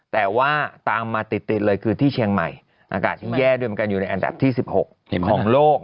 แต่ว่าตามมาติดเลยคือที่เชียงใหม่อากาศที่แย่ด้วยเหมือนกันอยู่ในอันดับที่๑๖ของโลก